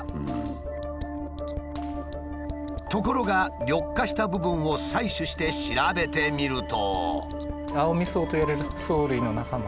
ところが緑化した部分を採取して調べてみると。